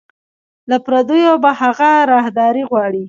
له پردیو به هغه راهداري غواړي